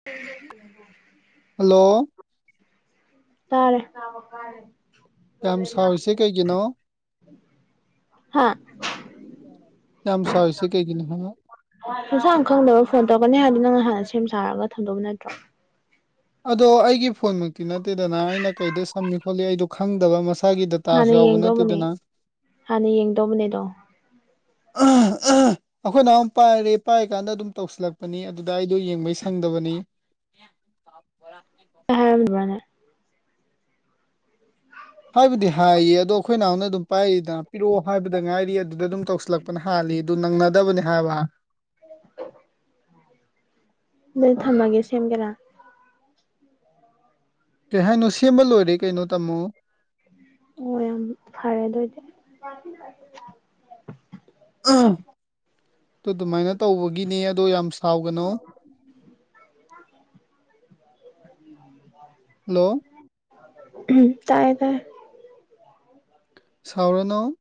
ꯍ ꯍꯜꯂꯣ ꯇꯥꯔꯦ ꯀꯕ ꯀꯥꯔꯦ ꯌꯥꯝ ꯁꯥꯎꯔꯤꯁꯦ ꯀꯩꯒꯤꯅꯣ ꯍꯥ ꯌꯥꯝ ꯁꯥꯎꯔꯤꯁꯦ ꯀꯔꯤꯒꯤꯅꯣ ꯍꯥꯢꯕꯥ ꯅꯁꯥ ꯈꯪꯗꯕꯔꯣ ꯐꯣꯟ ꯇꯧꯔꯛꯀꯅꯤ ꯍꯥꯏꯗꯤ ꯅꯪꯅ ꯍꯥꯟꯅ ꯁꯦꯝ ꯁꯥꯔꯒ ꯊꯝꯗꯧꯕ ꯅꯠꯇ꯭ꯔꯣ ꯑꯗꯣ ꯑꯩꯒꯤ ꯐꯣꯟꯃꯛꯇꯤ ꯅꯠꯇꯦꯗꯅ ꯑꯩꯅ ꯀꯩꯗ ꯁꯝꯃꯤ ꯈꯣꯠꯂꯤ ꯑꯩꯗꯣ ꯈꯪꯗꯕ ꯃꯁꯛ ꯏꯁꯥꯒꯤ ꯗꯇꯥꯁꯨ ꯍꯥꯟꯅ ꯌꯥꯎꯕ ꯌꯦꯡꯗꯧꯕꯅꯦ ꯅꯠꯇꯦꯗꯅ ꯍꯥꯟꯅ ꯌꯦꯡꯗꯧꯕꯅꯦꯗꯣ [unintelligible] ꯑꯩꯈꯣꯏꯅꯍꯨꯝ ꯄꯥꯏꯔꯦ ꯄꯥꯏ ꯀꯥꯟꯗ ꯑꯗꯨꯝ ꯇꯧꯁꯤꯜꯂꯛꯄꯅꯤ ꯑꯗꯨꯗ ꯑꯩꯗꯣ ꯌꯦꯡꯕꯩ ꯁꯪꯗꯕꯅꯤ ꯍꯗꯨ ꯃꯥꯅꯦ ꯍꯥꯏꯕꯗꯤ ꯍꯥꯏꯌꯦ ꯑꯗꯣ ꯑꯩꯈꯣꯏ ꯅꯍꯥꯟꯅ ꯑꯗꯨꯝ ꯄꯥꯏꯔꯤꯗꯅ ꯄꯤꯔꯛꯑꯣ ꯍꯥꯏꯕꯗ ꯉꯥꯏꯔꯤ ꯑꯗꯨꯗ ꯑꯗꯨꯝ ꯇꯧꯁꯤꯜꯂꯛꯄꯅ ꯍꯥꯜꯂꯤ ꯑꯗꯨ ꯅꯪꯅꯗꯕꯅꯤ ꯍꯥꯏꯕ [unintelligible] ꯅꯣꯏ ꯊꯝꯃꯒꯦ ꯁꯦꯝꯒꯦꯔꯥ ꯀꯩ ꯍꯥꯏꯅꯣ ꯁꯦꯝꯕ ꯂꯣꯏꯔꯦ ꯀꯩꯅꯣ ꯇꯥꯃꯣ ꯑꯣ ꯌꯥꯝ ꯐꯔꯦ ꯑꯗꯨꯑꯣ ꯑꯣꯏꯗꯤ ꯑꯗꯨ ꯑꯗꯨꯃꯥꯏꯅ ꯇꯧꯕꯒꯤꯅꯦ ꯑꯗꯣ ꯌꯥꯝ ꯁꯥꯎꯒꯅꯨ [unintelligible] ꯍꯜꯂꯣ ꯎꯝ ꯇꯥꯏꯌꯦ ꯇꯥꯏꯌꯦ ꯁꯥꯎꯔꯅꯣ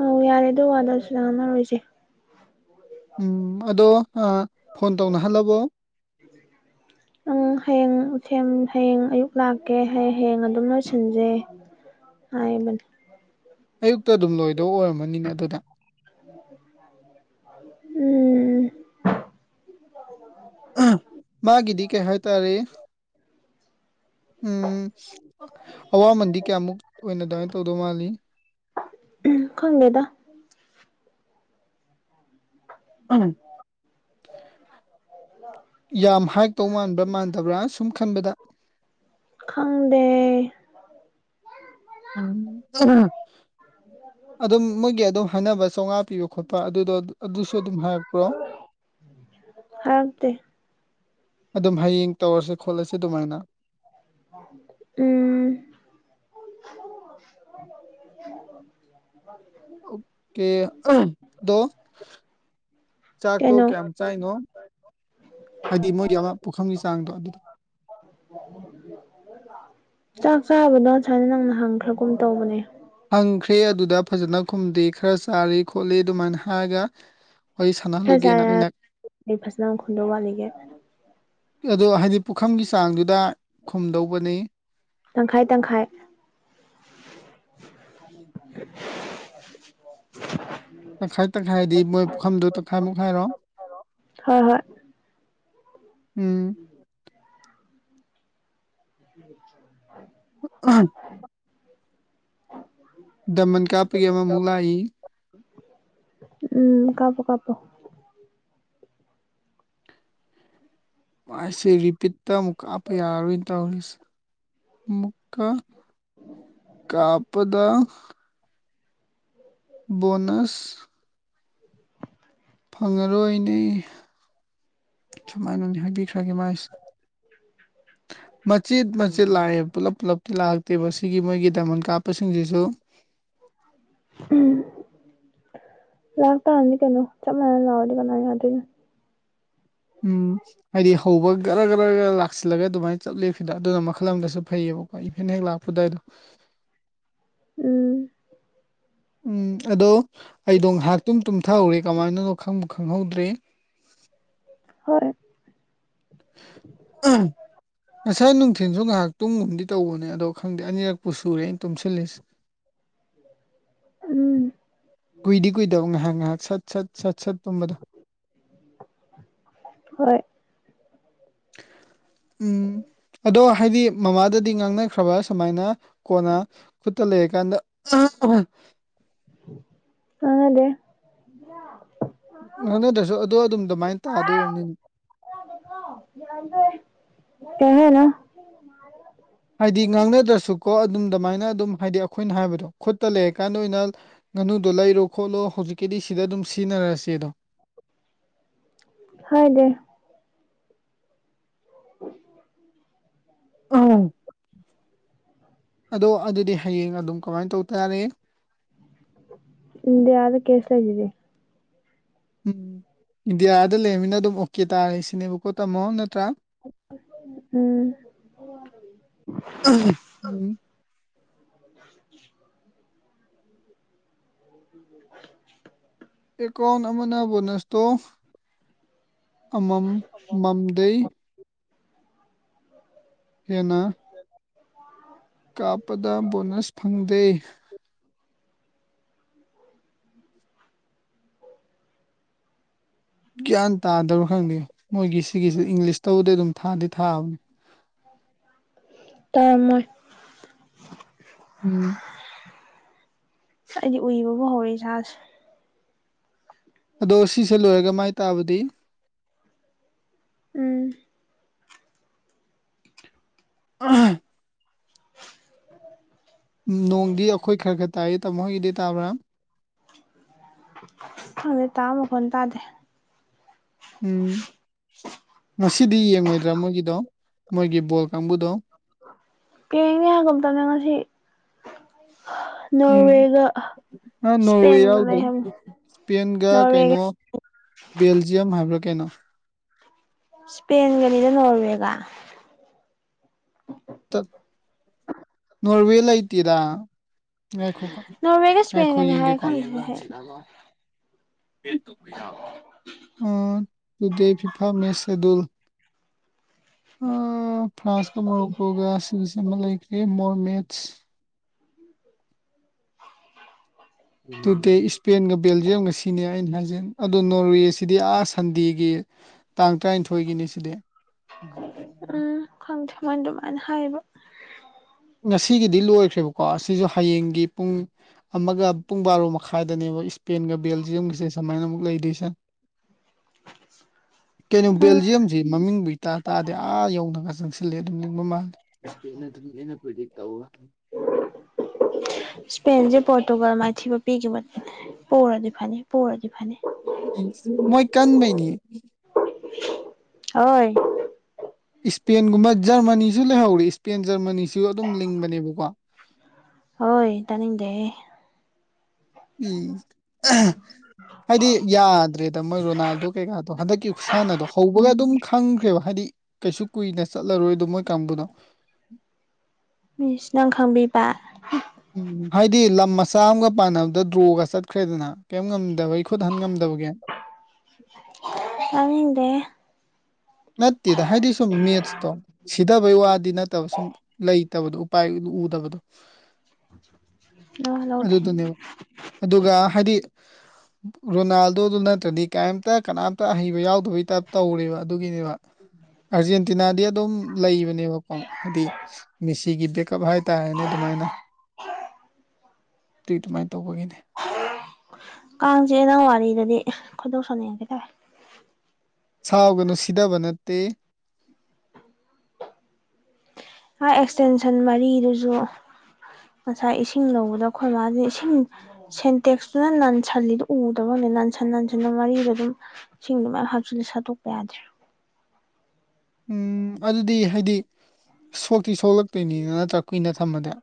ꯑ ꯌꯥꯔꯦ ꯑꯗꯨ ꯋꯥꯂꯁꯨ ꯂꯥꯛꯃꯔꯣꯏꯁꯦ ꯎꯝ ꯑꯗꯣ ꯐꯣꯟ ꯇꯧꯅꯍꯜꯂꯕꯣ [inaudible] ꯅꯪ ꯍꯌꯦꯡꯦꯝ ꯍꯌꯦꯡ ꯑꯌꯨꯛ ꯂꯥꯛꯀꯦꯡ ꯍꯌꯦꯡ ꯑꯗꯨꯝꯅ ꯁꯤꯟꯖꯩ ꯑꯃꯅꯦꯅꯤ ꯑꯌꯨꯛꯇ ꯑꯗꯨꯝ ꯂꯣꯏꯗꯧ ꯑꯣꯏꯔꯝꯃꯅꯤꯅ ꯑꯗꯨꯗ ꯎꯝ ꯃꯥꯒꯤꯗꯤ ꯀꯩ ꯍꯥꯏꯇꯥꯔꯦ ꯎꯝ ꯑꯋꯥꯃꯟꯗꯤ ꯀꯌꯥꯃꯨꯛ ꯑꯣꯏꯅ ꯑꯗꯨꯃꯥꯏꯅ ꯇꯧꯗꯧ ꯃꯥꯜꯂꯤ ꯎ ꯈꯪꯦꯗ [inaudible] ꯑ [unintelligible] ꯌꯥꯝ ꯍꯥꯏ ꯇꯧ ꯃꯥꯟꯕ꯭ꯔꯥ ꯃꯥꯟꯗꯕ꯭ꯔꯥ ꯁꯨꯝ ꯈꯟꯕꯗ ꯈꯪꯗꯦ ꯎꯝ ꯑꯗꯨꯝ ꯃꯣꯏꯒꯤ ꯑꯗꯨꯝ ꯍꯥꯏꯅꯕ ꯆꯥꯝꯃꯉꯥ ꯄꯤꯕ ꯈꯣꯠꯄ ꯑꯗꯨꯗꯣ ꯑꯗꯨꯁꯨ ꯑꯗꯨꯝ ꯍꯥꯏꯔꯛꯄ꯭ꯔꯣ ꯍꯥꯏꯔꯛꯇꯦ ꯑꯗꯨꯝ ꯍꯌꯦꯡ ꯇꯧꯔꯁꯤ ꯈꯣꯠꯂꯁ ꯑꯗꯨꯃꯥꯏꯅ ꯎꯝ ꯑꯣꯀꯦ ꯗꯣ ꯆꯥꯛ ꯇ ꯀꯩꯅꯣ ꯀ ꯀꯥꯏꯅꯣ ꯍꯥꯏꯗꯤ ꯃꯣꯏꯗꯤ ꯑꯃ ꯄꯨꯈꯝꯒꯤ ꯆꯥꯡꯗꯣ ꯑꯗꯨꯗꯣ ꯆꯥꯛ ꯆꯥꯕꯗꯣ ꯁꯨꯃꯥꯏꯅ ꯅꯪꯅ ꯍꯪꯈ꯭ꯔꯒꯨꯝ ꯇꯧꯕꯅꯦ ꯐꯪꯈ꯭ꯔꯦ ꯑꯗꯨꯗ ꯐꯖꯅ ꯈꯨꯝꯗꯦ ꯈꯔ ꯆꯥꯔꯤ ꯈꯣꯠꯂꯤ ꯑꯗꯨꯃꯥꯏꯅ ꯍꯥꯏꯔꯒ ꯋꯥꯔꯤ ꯈꯖꯥ ꯁꯥꯟꯅꯍꯜꯂꯨꯒꯦꯅ ꯑꯩꯅ ꯑꯩ ꯐꯖꯅ ꯈꯨꯟꯗꯣꯡ ꯋꯥꯠꯂꯤꯒꯦ ꯑꯗꯣ ꯍꯥꯏꯗꯤ ꯄꯨꯈꯝꯒꯤ ꯆꯥꯡꯗꯨꯗ ꯈꯨꯝꯗꯧꯕꯅꯤ ꯇꯪꯈꯥꯏ ꯇꯪꯈꯥꯏ [inaudible] ꯇꯪꯈꯥꯏ ꯇꯪꯈꯥꯏꯗꯤ ꯃꯣꯏ ꯄꯨꯈꯝꯗꯨꯣ ꯇꯪꯈꯥꯏ ꯃꯨꯛꯈꯥꯏꯔꯣ ꯍꯣꯏ ꯍꯣꯏ ꯎꯝ [unintelligible] [unintelligible] [unintelligible] [unintelligible] ꯗꯃꯟ ꯀꯥꯞꯄꯒꯤ ꯑꯃꯃꯨꯛ ꯂꯥꯛꯏ ꯎꯝ ꯀꯥꯄꯣ ꯀꯥꯄꯣ ꯃꯁꯦ ꯔꯤꯄꯤꯠꯇ ꯑꯃꯨꯛ ꯀꯥꯞꯄ ꯌꯥꯔꯔꯣꯏꯅ ꯇꯧꯔꯤꯁꯦ ꯑꯃꯛ ꯀ ꯀꯥꯄꯗ ꯁ ꯐꯪꯉꯔꯣꯏꯅꯦ ꯁꯨꯃꯥꯏꯅꯅꯦ ꯍꯥꯏꯕꯤꯈ꯭ꯔꯒꯦ ꯃꯥꯥꯏꯁ ꯃꯁꯠ ꯃꯁ ꯂꯥꯛꯑꯦ ꯄꯨꯂꯞ ꯄꯨꯂꯞꯇꯤ ꯂꯥꯛꯑ ꯇꯦꯕ ꯁꯤꯒꯤ ꯃꯣꯏꯒꯤ ꯗꯃꯜ ꯀꯥꯞꯄꯁꯤꯡꯁꯤꯁꯨ ꯎꯝ ꯂꯥꯛꯇꯥꯥꯔꯅꯤ ꯀꯩꯅꯣ ꯆꯞ ꯃꯥꯟꯅꯅ ꯂꯥꯛꯑꯣꯗꯤ ꯀꯅꯥꯅ ꯌꯥꯗꯣꯏꯅꯣ ꯎꯝ ꯍꯥꯏꯗꯤ ꯍꯧꯕ ꯒꯔ ꯒꯔꯒ ꯂꯥꯛꯁꯤꯜꯂꯒ ꯑꯗꯨꯃꯥꯏꯅ ꯆꯠꯂꯤ ꯁꯤꯗ ꯑꯗꯨꯅ ꯃꯈꯜ ꯑꯃꯗꯁꯨ ꯐꯩꯌꯦꯕꯀ ꯍ ꯏꯚꯦꯟ ꯍꯦꯛ ꯂꯥꯛꯄ ꯑꯗꯨꯋꯥꯏꯗꯣ ꯎꯝ ꯎꯝ ꯑꯗꯣ ꯑꯩꯗꯣ ꯉꯥꯏꯍꯥꯛꯇꯨꯝ ꯇꯨꯝꯊꯍꯧꯔꯦ ꯀꯃꯥꯏꯅꯅꯣ ꯈꯪꯕ ꯈꯪꯍꯧꯗ꯭ꯔꯦ ꯍꯣꯏ ꯑꯥ ꯉꯁꯥꯏ ꯅꯨꯡꯊꯤꯟꯜꯁꯨ ꯉꯥꯏꯍꯥꯛ ꯇꯨꯝꯒꯨꯝꯗꯤ ꯇꯧꯕꯅꯦ ꯑꯗꯣ ꯈꯪꯗꯦ ꯑꯅꯤꯔꯛꯄꯨ ꯁꯨꯔꯦ ꯑꯩꯅ ꯇꯨꯝꯁꯤꯜꯂꯤꯁꯦ [inaudible] ꯀꯨꯏꯗꯤ ꯀꯨꯏꯗꯕ ꯉꯥꯏꯍꯥꯛ ꯉꯥꯏꯍꯥꯛ ꯁꯠ ꯁꯠ ꯁꯠ ꯁꯠ ꯄꯨꯝꯕꯗ ꯍꯣꯏ ꯎꯝ ꯑꯗꯣ ꯍꯥꯏꯗꯤ ꯃꯃꯥꯗꯗꯤ ꯉꯥꯡꯅꯈ꯭ꯔꯕ꯭ꯔ ꯁꯨꯃꯥꯏꯅ ꯀꯣꯟꯅ ꯈꯨꯠꯇ ꯂꯩꯔ ꯀꯥꯟꯗ ꯑꯉꯗꯦ ꯅꯪꯅꯗ꯭ꯔꯁꯨ ꯑꯗꯨꯗ ꯑꯗꯨꯝ ꯑꯗꯨꯃꯥꯏꯅ ꯇꯥꯗꯣꯔꯤꯕꯅꯤꯅꯦ ꯀꯅ ꯍꯥꯏꯗꯤ ꯉꯥꯡꯅꯗ꯭ꯔꯁꯨꯀꯣ ꯑꯗꯨꯝ ꯑꯗꯨꯃꯥꯏꯅ ꯑꯗꯨꯝ ꯍꯥꯏꯗꯤ ꯑꯩꯈꯣꯏꯅ ꯍꯥꯏꯕꯗꯣ ꯈꯨꯠꯇ ꯂꯩꯔꯀꯥꯟꯗ ꯑꯣꯏꯅ ꯉꯥꯅꯨꯗꯣ ꯂꯩꯔꯣ ꯈꯣꯠꯂꯣ ꯍꯧꯖꯤꯛꯀꯤꯗꯤ ꯁꯤꯗ ꯑꯗꯨꯝ ꯁꯤꯖꯤꯟꯅꯔꯁꯦ ꯑꯗꯣ ꯍꯥꯏꯗꯦ ꯎ ꯑ ꯑꯗꯣ ꯑꯗꯨꯗꯤ ꯍꯌꯦꯡ ꯑꯗꯨꯝ ꯀꯃꯥꯏꯅ ꯇꯧꯇꯥꯔꯦ ꯏ ꯌꯥꯎꯗꯣ ꯀꯦꯁꯂ ꯂꯩꯗꯦ ꯎꯝ ꯏꯟꯗꯤꯌꯥꯗ ꯂꯩꯔꯃꯤꯅ ꯑꯗꯨꯝ ꯑꯣꯀꯦ ꯇꯥꯔꯦ ꯁꯤꯅꯦꯕꯀꯣ ꯇꯥꯝꯃꯣ ꯅꯠꯇ꯭ꯔꯥ ꯎꯝ ꯎꯝ ꯎꯝ ꯎ ꯎ ꯑꯦꯀꯥꯎꯟ ꯑꯃꯅ ꯕꯣꯅꯁꯇꯣ ꯑꯃꯝ ꯃꯝꯗꯩ [inaudible] ꯍꯅ ꯀꯥꯞꯄꯗ ꯕꯣꯅꯁ ꯐꯪꯗꯦ ꯒ꯭ꯌꯥꯟ ꯇꯥꯗꯕ꯭ꯔꯥ ꯈꯪꯗꯦ ꯃꯣꯏꯒꯤ ꯁꯤꯒꯤꯁꯤ ꯏꯪꯂꯤꯁꯇꯧꯕꯕꯨꯗꯤ ꯑꯗꯨꯝ ꯊꯥꯗꯤ ꯊꯥꯕꯅꯤ ꯇꯔꯝꯃꯣꯏ ꯎꯝ ꯑꯩꯗꯤ ꯎꯏꯕꯕꯨ ꯍꯧꯎꯔꯦ ꯏꯁꯥꯁꯦ ꯑꯗꯣ ꯁꯤꯁꯦ ꯂꯣꯏꯔꯒ ꯃꯥꯏ ꯇꯥꯕꯗꯤ ꯎꯝ ꯎꯝ ꯎ ꯅꯣꯡꯗꯤ ꯑꯩꯈꯣꯏ ꯈꯔ ꯈꯔ ꯇꯥꯏꯌꯦ ꯇꯥꯃꯣ ꯍꯪꯒꯤꯗꯤ ꯇꯥꯕ꯭ꯔꯥ ꯑꯗꯨ ꯇꯥ ꯃꯈꯣꯟꯅ ꯇꯥꯗꯦ ꯎꯝ ꯉꯁꯤꯗꯤ ꯌꯦꯡꯉꯣꯏꯗ꯭ꯔꯥ ꯃꯣꯏꯒꯤꯗꯣ ꯃꯣꯏꯒꯤ ꯕꯣꯜ ꯀꯥꯡꯕꯨꯗꯣ ꯄꯤꯉꯦ ꯍꯥꯏꯕꯅꯦ ꯉꯁꯤ ꯎꯝ ꯅꯣꯔꯋꯦꯒ ꯑ ꯅꯣꯔꯋꯦ ꯏꯁꯄꯦꯟꯒ ꯌꯥꯎꯗꯦ ꯂꯩ ꯍꯥꯏꯕꯅꯦ ꯏꯁꯄꯦꯟꯒ ꯀꯩꯅꯣ ꯕꯦꯜꯖꯤꯌꯝ ꯍꯥꯏꯕ꯭ꯔꯥ ꯀꯩꯅꯣ ꯏꯁꯄꯦꯟꯒꯅꯤꯗ ꯅꯣꯔꯋꯦꯒ ꯅꯣꯔꯋꯦ ꯂꯩꯇꯦꯔ ꯉꯥꯏꯈꯣ ꯅꯣꯔꯋꯦꯒ ꯉꯥꯏꯈꯣ ꯏꯁꯄꯦꯟꯒꯅꯤ ꯍꯥꯏ ꯌꯦꯡꯒꯦꯀꯣ ꯈꯪꯗ꯭ꯔꯦ ꯍꯥꯏ ꯎꯝ ꯐꯤꯐꯥ ꯃꯦꯁ ꯁꯦꯗꯨꯜ ꯑ ꯐ꯭ꯔꯥꯟꯁꯀ ꯃꯣꯔꯣꯀꯣꯒꯥ ꯁꯦꯃꯤꯁ ꯑꯃꯥ ꯂꯩꯈ꯭ꯔꯦ ꯃꯣꯔꯃꯦꯠ ꯇꯨꯗ ꯏꯁꯄꯦꯟꯒ ꯕꯦꯜꯖꯤꯌꯝꯒ ꯁꯤꯅꯤ ꯑꯩꯅ ꯍꯥꯏꯖ ꯑꯗꯣ ꯅꯣꯔꯋꯦꯁꯤꯗꯤ ꯑꯥ ꯁꯟꯗꯦꯒꯤ ꯇꯥꯡ ꯇꯔꯥꯅꯤꯊꯣꯏꯒꯤꯅꯦ ꯁꯤꯗꯤ ꯎꯝ ꯈꯪꯗꯦ ꯃꯣꯏ ꯑꯗꯨꯃꯥꯏꯅ ꯍꯥꯏꯌꯦꯕ ꯉꯁꯤꯒꯤꯗꯤ ꯂꯣꯏꯈ꯭ꯔꯦꯕꯀꯣ ꯑꯁꯤꯁꯨ ꯍꯌꯦꯡꯒꯤ ꯄꯨꯡ ꯑꯃꯒ ꯄꯨꯡ ꯕꯥꯔꯣ ꯃꯈꯥꯏꯗꯅꯦꯕ ꯏꯁꯄꯦꯟꯒ ꯕꯦꯜꯖꯤꯌꯝꯒꯁꯦ ꯁꯨꯃꯥꯏꯅ ꯑꯃꯨꯛ ꯂꯩꯗꯣꯏꯁꯦ [inaudible] ꯀꯩꯅꯣ ꯎꯝ ꯕꯦꯜꯖꯤꯌꯝꯁꯤ ꯃꯃꯤꯡꯕꯨ ꯏꯇꯥ ꯇꯥꯗꯦ ꯑꯥ ꯌꯧꯅꯒ ꯆꯪꯁꯤꯜꯂꯦ ꯑꯗꯨꯝ ꯂꯤꯡꯕ ꯃꯥꯜꯂꯦ [unintelligible] ꯇꯧ [inaudible] [unintelligible] ꯏꯁꯄꯦꯟꯁꯦ ꯄꯣꯔꯇꯨꯒꯥꯜ ꯃꯥꯏꯊꯤꯕ ꯄꯤꯈꯤꯕꯅꯦ ꯄꯣꯔꯗꯤ ꯐꯅꯤ ꯄꯣꯔꯗꯤ ꯐꯅꯤ ꯃꯣꯏ ꯀꯥꯟꯕꯥꯩꯅꯤ ꯍꯣꯏ ꯏꯁꯄꯦꯟꯒꯨꯝꯕ ꯖꯔꯃꯅꯤꯁꯨ ꯂꯩꯍꯧꯔꯦ ꯏꯁꯄꯦꯟ ꯖꯔꯃꯅꯤꯁꯨ ꯑꯗꯨꯝ ꯂꯤꯡꯕꯅꯦꯕꯀꯣ ꯍꯣꯏ ꯇꯥꯅꯤꯡꯗꯦꯍꯦ [unintelligible] ꯍꯥꯏꯗꯤ ꯌꯥꯗ꯭ꯔꯦꯗ ꯃꯣꯏ ꯔꯣꯅꯥꯟꯗꯣ ꯀꯩꯀꯗꯣ ꯍꯟꯗꯛꯀꯤ ꯈꯨꯠꯁꯥꯟꯅꯗꯣ ꯍꯧꯕꯒ ꯑꯗꯨꯝ ꯈꯪꯈ꯭ꯔꯦꯕ ꯍꯥꯏꯗꯤ ꯀꯩꯁꯨ ꯀꯨꯏꯅ ꯆꯠꯂꯔꯣꯏꯗꯣ ꯃꯣꯏ ꯀꯥꯡꯕꯨꯅ ꯃꯤꯁ ꯅꯪ ꯈꯪꯕꯤꯕ ꯎꯝ ꯍꯥꯏꯗꯤ ꯂꯝ ꯃꯆꯥ ꯑꯃꯒ ꯄꯥꯟꯅꯕꯗ ꯗ꯭ꯔꯣꯒ ꯆꯠꯈ꯭ꯔꯦꯗꯅ ꯀꯔꯤꯝ ꯉꯝꯗꯕꯩ ꯈꯨꯠ ꯍꯟ ꯉꯝꯗꯕꯒꯤ ꯇꯅꯤꯡꯗꯦꯍꯦ ꯃꯦꯠ ꯇꯦꯗ ꯍꯥꯏꯗꯤ ꯁꯨꯝ ꯃꯦꯠꯁ ꯇꯣ ꯁꯤꯗꯕꯩ ꯋꯥꯗꯤ ꯅꯠꯇꯕ ꯁꯨꯝ ꯂꯩꯇꯕꯗꯣ ꯎꯄꯥꯏ ꯎꯗꯕꯗꯣ [unintelligible] ꯑꯗꯨ ꯗꯨꯅꯦꯕ ꯑꯗꯨꯒ ꯍꯥꯏꯗꯤ ꯔꯣꯅꯥꯜꯗꯣꯗꯨ ꯅꯠꯇ꯭ꯔꯗꯤ ꯀꯔꯤꯝꯇ ꯀꯅꯥꯝꯇ ꯑꯍꯩꯕ ꯌꯥꯎ ꯑꯗꯨꯒꯤ ꯇꯥꯏꯞ ꯇꯧꯔꯦꯕ ꯑꯗꯨꯒꯤꯅꯦꯕ ꯑꯥꯔꯖꯦꯟꯇꯤꯅꯥꯗꯤ ꯑꯗꯨꯝ ꯂꯩꯕꯅꯦꯕꯀꯣ ꯍꯥꯏꯗꯤ ꯃꯦꯁꯤꯒꯤ ꯕꯦꯀꯣ ꯍꯥꯏ ꯇꯥꯔꯦꯅꯦ ꯑꯗꯨꯃꯥꯏꯅ ꯑꯗꯨꯏ ꯑꯗꯨꯃꯥꯏꯅ ꯇꯧꯕꯒꯤꯅꯦ ꯀꯥꯡ ꯆꯤꯛꯑꯦ ꯅꯪ ꯋꯥꯔꯤꯗꯨꯗꯤ ꯈꯣꯏꯗꯣꯛ ꯁꯅꯤꯡꯒꯦ ꯇꯧꯔꯦ ꯁꯥꯎꯒꯅꯨ ꯁꯤꯗꯕ ꯅꯠꯇꯦ ꯃꯥ ꯑꯦꯛꯁꯇꯦꯟꯁꯟ ꯃꯔꯤꯗꯨꯁꯨ ꯉꯁꯥꯏ ꯏꯁꯤꯡ ꯂꯧꯕꯗꯣ ꯑꯩꯈꯣꯏ ꯃꯥꯁꯤꯅ ꯏꯁꯤꯡ ꯁꯦꯟꯇꯦꯛꯁꯇꯨꯅ ꯂꯟꯁꯜꯂꯤꯗꯨ ꯎꯗꯕꯔ ꯈꯪꯗꯦ ꯂꯟꯁꯟ ꯅꯥꯟꯁꯤꯟꯅ ꯃꯔꯤꯗ ꯑꯗꯨꯝ ꯁꯤꯡꯗꯨ ꯃꯌꯥꯝ ꯍꯥꯞꯆꯤꯜ ꯁꯥꯠꯇꯣꯛꯄ ꯌꯥꯗ꯭ꯔꯦ ꯎꯝ ꯑꯗꯨꯗꯤ ꯍꯥꯏꯗꯤ ꯁꯣꯛꯇꯤ ꯁꯣꯛꯂꯛꯇꯣꯏꯅꯤꯅ ꯅꯠꯇ꯭ꯔ ꯀꯨꯏꯅ ꯊꯝꯃꯗꯤ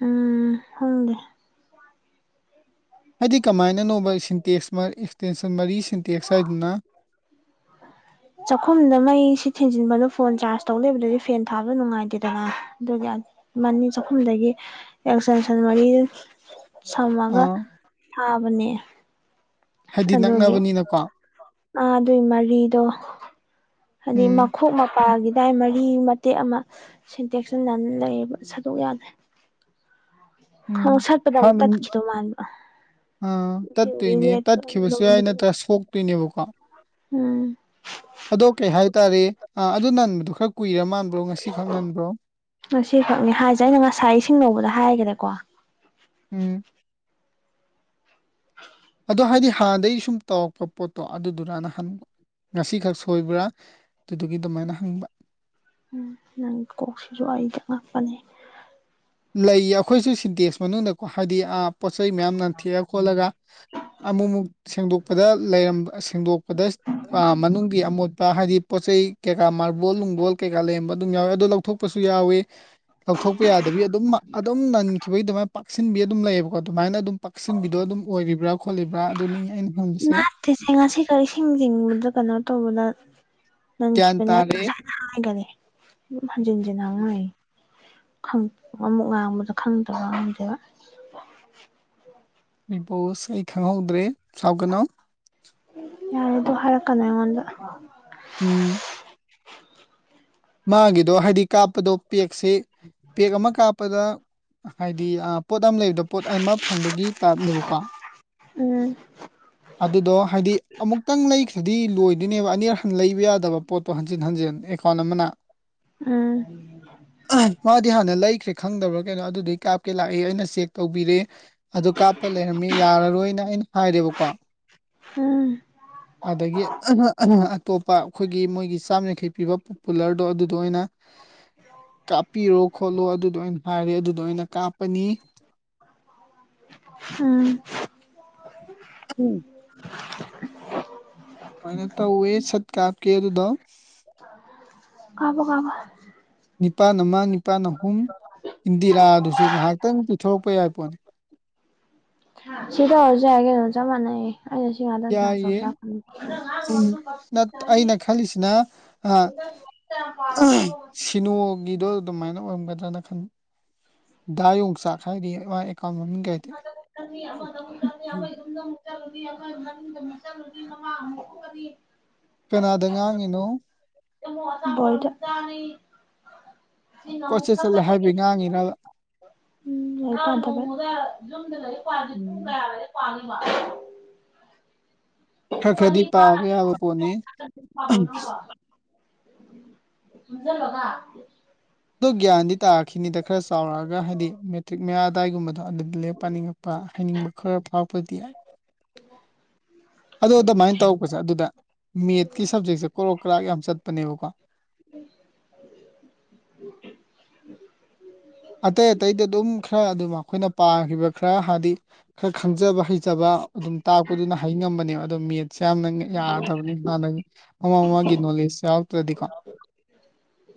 ꯎꯝ ꯈꯪꯗꯦ ꯍꯥꯏꯗꯤ ꯀꯃꯥꯏꯅꯅꯣꯕ ꯁꯤꯟꯇꯦꯛꯁ ꯑꯦꯛꯁꯇꯦꯟꯁꯟ ꯃꯔꯤ ꯁꯤꯟꯇꯦꯛꯁ ꯍꯥꯏꯗꯨꯅ [inaudible] ꯆꯥꯛꯈꯨꯝꯗ ꯃꯩ ꯁꯤ ꯊꯤꯟꯖꯤꯟꯕꯅꯣ ꯐꯣꯟ ꯆꯥꯔꯖ ꯇꯧ ꯂꯩꯕꯗꯨꯗꯤ ꯐꯦꯟ ꯊꯥꯕꯗꯣ ꯅꯨꯡꯉꯥꯏꯇꯦꯗꯅ ꯑꯗꯨꯒꯤ ꯃꯥꯅꯤ ꯆꯥꯛꯈꯨꯝꯗꯒꯤ ꯑꯦꯛꯁꯟꯁꯟ ꯃꯔꯤ ꯁꯝꯃꯒ ꯑ ꯊꯥꯕꯅꯦ ꯍꯥꯏꯗꯤ ꯑꯗꯨꯒꯤ ꯅꯛꯅꯕꯅꯤꯅꯀꯣ ꯑ ꯑꯗꯨꯒꯤ ꯃꯔꯤꯗꯣ ꯍꯥꯏꯗꯤ ꯎꯝ ꯃꯈꯨꯞ ꯄꯥꯈꯤꯗꯥꯏ ꯃꯔꯤ ꯃꯇꯦꯛ ꯑꯃ ꯁꯤꯟ ꯇꯦꯛꯁꯤꯟꯅꯅ ꯂꯩꯌꯦꯕ ꯁꯇꫭꯛ ꯌꯥꯗꯔꯦ ꯍ ꯎꯝ ꯁꯠꯄꯗ ꯑꯃꯨꯛ ꯇꯠꯈꯤꯗꯧ ꯃꯥꯟꯕ ꯑꯥ ꯇꯠꯇꯣꯏꯅꯦ ꯇꯠꯈꯤꯕꯁꯨ ꯌꯥꯏ ꯅꯠꯇ꯭ꯔꯥ ꯁꯣꯛꯇꯣꯏꯅꯦꯕꯀꯣ ꯎꯝ ꯑꯗꯣ ꯀꯩ ꯍꯥꯏꯇꯥꯔꯦ ꯑ ꯑꯗꯨ ꯅꯟꯕꯗꯨꯣ ꯈꯔ ꯀꯨꯏꯔ ꯃꯥꯟꯕ꯭ꯔꯣ ꯉꯁꯤꯈꯛ ꯅꯟꯕ꯭ꯔꯣ ꯉꯁꯤꯈꯛꯅꯤ ꯍꯥꯏꯁꯦ ꯑꯩꯅ ꯉꯁꯥꯏ ꯏꯁꯤꯡ ꯂꯧꯕꯗ ꯍꯥꯏꯈ꯭ꯔꯦꯀꯣ ꯎꯝ ꯑꯗꯣ ꯍꯥꯏꯗꯤ ꯍꯥꯟꯗꯒꯤ ꯁꯨꯝ ꯇꯧꯔꯛꯄ ꯄꯣꯠꯇꯣ ꯑꯗꯨꯗꯨꯔꯅ ꯍꯪꯕ ꯉꯁꯤꯈꯛ ꯁꯣꯏꯕ꯭ꯔꯥ ꯑꯗꯨꯗꯨꯒꯤ ꯑꯗꯨꯃꯥꯏꯅ ꯍꯪꯕ ꯎꯝ ꯅꯪ ꯀꯣꯛꯁꯤꯁꯨ ꯑꯩ ꯆꯉꯛꯄꯅꯦ ꯂꯩꯌꯦ ꯑꯩꯈꯣꯏꯁꯨ ꯁꯤꯟꯇꯦꯛꯁ ꯃꯅꯨꯡꯗꯀꯣ ꯍꯥꯏꯗꯤ ꯑꯥꯞ ꯄꯣꯠꯆꯩ ꯃꯌꯥꯝꯅ ꯅꯪꯊꯦꯛꯑ ꯈꯣꯠꯂꯒ ꯑꯃꯨꯛ ꯑꯃꯨꯛ ꯁꯦꯡꯗꯣꯛꯄꯗ ꯂꯩꯔꯝꯕ ꯁꯦꯡꯗꯣꯛꯄꯗ ꯃꯅꯨꯡꯒꯤ ꯑꯃꯣꯠꯄ ꯍꯥꯏꯗꯤ ꯄꯣꯠ ꯆꯩ ꯀꯩꯀꯥ ꯃꯥꯔꯕꯣꯜ ꯅꯨꯡꯕꯣꯜ ꯀꯩꯀꯥ ꯂꯩꯔꯝꯕ ꯑꯗꯨꯝ ꯌꯥꯎꯋꯦ ꯑꯗꯨ ꯂꯧꯊꯣꯛ ꯊꯣꯛꯄꯁꯨ ꯌꯥꯎꯋꯤ ꯂꯧꯊꯣꯛꯄ ꯌꯥꯗꯕꯤ ꯑꯗꯨꯝ ꯑꯗꯨꯝ ꯅꯟꯈꯤꯕꯒꯤ ꯑꯗꯨꯃꯥꯏꯅ ꯄꯥꯛꯁꯤꯟꯕꯤ ꯑꯗꯨꯝ ꯂꯩꯌꯦꯕꯀꯣ ꯑꯗꯨꯃꯥꯏꯅ ꯑꯗꯨꯝ ꯄꯥꯛꯁꯤꯟꯕꯤꯗꯣ ꯑꯗꯨꯝ ꯑꯣꯏꯔꯤꯕ꯭ꯔꯥ ꯈꯣꯠꯂꯤꯕ꯭ꯔꯥ ꯑꯗꯨꯅꯤ ꯑꯩꯅ ꯍꯪꯉꯤꯁꯦ ꯇꯤꯁꯦ ꯉꯁꯤ ꯀꯔꯤꯁꯤꯡ ꯆꯤꯡꯕꯗ ꯀꯩꯅꯣ ꯇꯧꯕꯗ ꯒ꯭ꯌꯥꯟ ꯅꯪꯈꯤꯕꯅꯦ [unintelligible] ꯇꯥꯔꯦ ꯉꯁꯥꯏꯅ ꯍꯥꯏꯈꯔꯦ ꯑꯗꯨ ꯍꯟꯖꯤꯟꯖꯤꯟ ꯍꯪꯂꯩ ꯑꯃꯨꯛ ꯉꯥꯡꯕꯗ ꯈꯪꯗꯕ ꯉꯝꯗꯦꯕ ꯕꯤꯛ ꯕꯣꯁ ꯑꯩ ꯈꯪꯍꯧꯗ꯭ꯔꯦ ꯁꯥꯎ ꯀꯅꯣ ꯌꯥꯔꯦ ꯑꯗꯨ ꯍꯥꯏꯔꯛꯀꯥꯅꯨ ꯑꯩꯉꯣꯟꯗ [unintelligible] ꯎꯝ ꯃꯥꯒꯤꯗꯣ ꯍꯥꯏꯗꯤ ꯀꯥꯞꯄꯗꯣ ꯄꯦꯛꯁꯤ ꯄꯦꯛ ꯑꯃ ꯀꯥꯞꯄꯗ ꯍꯥꯏꯗꯤ ꯄꯣꯠ ꯑꯃ ꯂꯩꯕꯗ ꯄꯣꯠ ꯑꯃ ꯐꯪꯕꯒꯤ ꯇꯥꯏꯞꯅꯦꯕꯀꯣ ꯎꯝ ꯑꯗꯨꯗꯣ ꯍꯥꯏꯗꯤ ꯑꯃꯨꯛꯇꯪ ꯂꯩꯈ꯭ꯔꯗꯤ ꯂꯣꯏꯗꯣꯏꯅꯦꯕ ꯑꯅꯤꯔ ꯍꯟ ꯂꯩꯕ ꯌꯥꯗ [unintelligible] ꯄꯣꯠꯇꯣ ꯍꯟꯖꯤꯟ ꯍꯟꯖꯤꯟ ꯑꯦꯀꯥꯎꯟ ꯑꯃꯅ ꯎꯝ ꯃꯥꯗꯤ ꯍꯥꯟꯅ ꯂꯩꯈ꯭ꯔꯦ ꯈꯪꯗꯕ꯭ꯔꯥ ꯀꯩꯅꯣ ꯑꯗꯨꯗꯩ ꯀꯥꯞꯀꯦ ꯂꯥꯛꯏ ꯑꯩꯅ ꯆꯦꯛ ꯇꯧꯕꯤꯔꯦ ꯑꯗꯨ ꯀꯥꯞꯄ ꯂꯩꯔꯝꯃꯤ ꯌꯥꯔꯔꯣꯏꯅ ꯑꯩꯅ ꯍꯥꯏꯔꯦꯕꯀꯣ ꯎꯝ ꯑꯗꯒꯤ ꯑꯇꯣꯞꯄ ꯑꯩꯈꯣꯏꯒꯤ ꯃꯣꯏꯒꯤ ꯆꯥꯝ ꯌꯥꯡꯈꯩ ꯄꯤꯕ ꯀꯨꯂ꯭ꯔꯗꯣ ꯑꯗꯨꯗꯣ ꯑꯣꯏꯅ ꯀꯥꯞꯄꯤꯔꯣ ꯈꯣꯠꯂꯣ ꯑꯗꯨꯗꯣ ꯑꯣꯏꯅ ꯍꯥꯏꯔꯦ ꯑꯗꯨꯗꯣ ꯑꯣꯏꯅ ꯀꯥꯞꯄꯅꯤ ꯎꯝ ꯍꯨꯝ ꯑꯃꯥꯏꯅꯦ ꯇꯧꯋꯦ ꯁꯠ ꯀꯥꯞꯀꯦ ꯑꯗꯨꯗꯣ ꯀꯥꯞꯄꯣ ꯀꯥꯞꯄꯣ ꯅꯤꯄꯥꯟ ꯑꯃ ꯅꯤꯄꯥꯥꯟ ꯑꯍꯨꯝ ꯏꯟꯗꯤꯔꯥꯗꯨꯁꯨ ꯉꯥꯏꯍꯥꯛꯇꯪ ꯄꯤꯊꯣꯔꯛꯄ ꯌꯥꯏ ꯄꯣꯠꯅꯤ ꯁꯤꯗ ꯇꯧ ꯔꯁꯨ ꯌꯥꯏ ꯀꯩꯅꫭ ꯆꯥꯞ ꯃꯥꯟꯅꯤꯏꯌꯦ ꯑꯩꯅ ꯁꯤ ꯉꯥꯗꯪ ꯆꯥꯁ ꯌꯥꯏꯌꯦ ꯇꯧꯁꯤꯔ ꯎꯝ ꯈꯪꯟꯕ ꯅꯠ ꯑꯩꯅ [unintelligible] ꯑꯥ [unintelligible] ꯁꯤꯅꯣꯒꯤꯗꯣ ꯑꯗꯨꯃꯥꯏꯅ ꯑꯣꯏꯔꯝꯒꯗ꯭ꯔꯅ ꯈꯟ ꯗꯥ ꯌꯣꯡꯆꯥꯛ ꯍꯥꯏꯔꯤ ꯑꯦꯀꯥꯎꯟ ꯃꯃꯤꯡ [unintelligible] ꯀꯩꯗꯤ ꯆꯥꯠꯂꯨꯅꯤ ꯑꯃ ꯃꯅꯤꯡ ꯑꯃꯨꯛ ꯃꯃꯥꯡ ꯑꯃꯨꯛ ꯊꫭꯛꯀꯅꯤ ꯀꯅꯥꯗ ꯉꯥꯡꯉꯤꯅꯣ ꯕꯣꯜꯗ ꯀꯣꯏꯆꯠ ꯆꯠꯂꯦ ꯍꯥꯏꯕꯩ ꯉꯥꯡꯉꯤꯔꯕ ꯎꯝ ꯂꯥꯏꯔꯤꯛ ꯄꯥꯗꯕꯩ ꯃꯥ ꯅꯣꯡꯃꯗ ꯌꯨꯝꯗ ꯂꯥꯏꯔꯤꯛ ꯄꯥꯔꯗꯤ ꯄꯨꯡ ꯎꯝ ꯀꯌꯥ ꯂꯥꯏꯔꯤꯛ ꯄꯥꯗꯣꯏꯕ ꯈꯔ ꯄꯨꯡ ꯈꯔꯗꯤ ꯑꯅꯤ ꯐꯥꯅ ꯄꯥꯕ ꯌꯥꯕ ꯄꯣꯠꯅꯤ ꯄꯥꯕ꯭ꯔꯣ ꯅꯪꯕꯣ ꯏꯟꯖꯜꯂꯒ ꯑꯗꯣ ꯒ꯭ꯌꯥꯟꯗꯤ ꯇꯥꯔꯛꯈꯤꯅꯤꯗ ꯈꯔ ꯆꯥꯎꯔꯛꯑꯒ ꯍꯥꯏꯗꯤ ꯃꯦꯇ꯭ꯔꯤꯛ ꯃꯌꯥ ꯑꯗꯥꯏꯒꯨꯝꯕꯗꯣ ꯑꯗꯨꯗꯤ ꯂꯥꯏꯔꯤꯛ ꯄꯥꯅꯤꯡꯉ ꯄꯥ ꯍꯩꯅꯤꯡꯕ ꯈꯔ ꯐꯥꯎꯔꯛꯄꯗꯤ ꯌꯥꯏ ꯎ [inaudible] ꯑꯗꯣ ꯑꯗꯨꯃꯥꯏ ꯇꯧꯔꯛꯕꯁꯦ ꯑꯗꯨꯗ ꯃꯦꯠꯀꯤ ꯁꯞꯖꯦꯛꯁꯦ ꯀꯔꯣꯛ ꯀꯔꯥꯛ ꯌꯥꯝ ꯆꯠꯄꯅꯦꯕꯀꯣ ꯑꯇꯩ ꯑꯇꯩꯗꯤ ꯑꯗꯨꯝ ꯈꯔ ꯑꯗꯨꯝ ꯑꯩꯈꯣꯏꯅ ꯄꯥꯈꯤꯕ ꯈꯔ ꯍꯥꯏꯗꯤ ꯈꯔ ꯈꯪꯖꯕ ꯍꯩꯖꯕ ꯑꯗꯨꯝ ꯇꯥꯛꯄꯗꯨꯅ ꯍꯩꯉꯝꯕꯅꯦꯕ ꯑꯗꯣ ꯃꯦꯠ ꯁꯦꯌꯥꯝꯅꯪ ꯌꯥꯗꯕꯅꯤ ꯍꯥꯟꯅꯒꯤ ꯃꯃꯥꯡ ꯃꯃꯥꯡꯒꯤ ꯅꯣꯂꯦꯖ ꯌꯥꯎꯔꯛꯇ꯭ꯔꯗꯤꯀꯣ